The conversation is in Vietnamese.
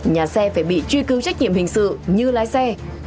nhà xe phải bị truy cứu trách nhiệm hình sự như lái xe